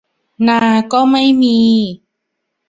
นาก็ไม่มี